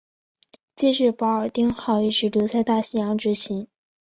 接着保尔丁号一直留在大西洋执勤。